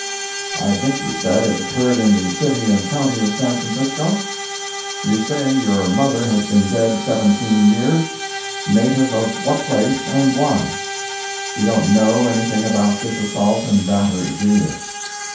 "I think you said it occurred in the City and County of San Francisco?" "You say your mother has been dead seventeen years—native of what place, and why?" "You don't know anything about this assault and battery do you?"